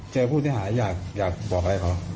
เจอผู้ที่หายอยากบอกอะไรครับ